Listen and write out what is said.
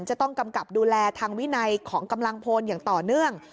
กำกับดูแลทางวินัยของกำลังพลอย่างต่อเนื่อง